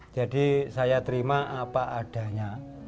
saya terima apa adanya